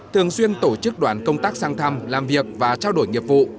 thường xuyên tổ chức đoàn công tác sang thăm làm việc và trao đổi nghiệp vụ